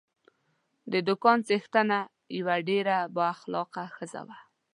د دوکان څښتنه یوه ډېره با اخلاقه ښځه وه.